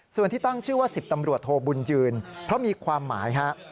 ส่วนที่ตั้งชื่อว่า๑๐ตำรวจโทบุญยืนเพราะมีความหมายฮะ